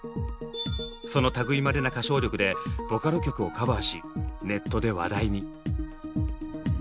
その類いまれな歌唱力でボカロ曲をカバーしネットで話題に。